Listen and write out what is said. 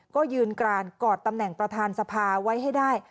ก็ยืนกรานกอดตำแหน่งประธานสภาไว้ให้ได้